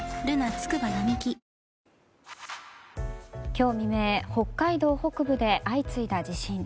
今日未明、北海道北部で相次いだ地震。